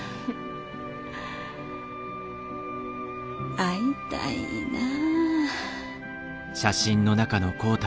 会いたいなぁ。